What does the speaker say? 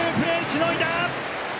しのいだ！